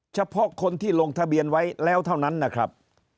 เฉพาะคนที่ลงทะเบียนไว้แล้วเท่านั้นนะครับ